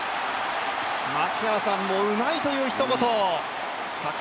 槙原さんも「うまい」という一言。